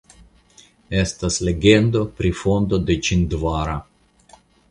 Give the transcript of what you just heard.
Estas legendo pri fondo de Ĉindvara.